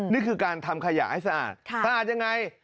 นี่คือการทำขยะให้สะอาดสะอาดยังไง